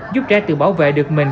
giúp trẻ tự bảo vệ được mình